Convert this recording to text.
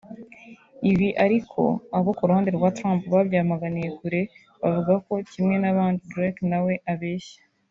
Ibi ariko abo ku ruhande rwa Trump babyamaganiye kure bavuga ko kimwe n’abandi Drake nawe abeshya